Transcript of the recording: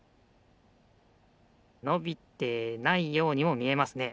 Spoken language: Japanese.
のびてないようにもみえますね。